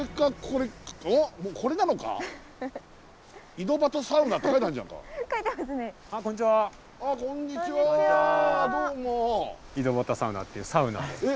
井戸端サウナっていうサウナです。